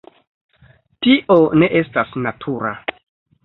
Tio ne estas natura.